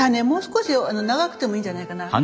もう少し長くてもいいんじゃないかな。